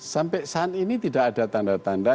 sampai saat ini tidak ada tanda tanda